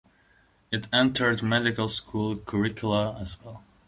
It entered medical school curricula as well.